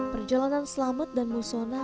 perjalanan selamet dan musona